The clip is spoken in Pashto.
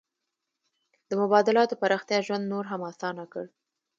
د مبادلاتو پراختیا ژوند نور هم اسانه کړ.